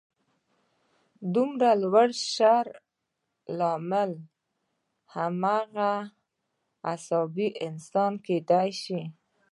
د دومره لوی شر لامل هماغه عصبي انسان کېدای شي